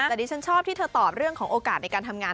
แต่ดิฉันชอบที่เธอตอบเรื่องของโอกาสในการทำงาน